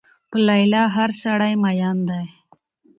په لیلا هر سړی مين دی